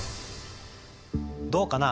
どうかな？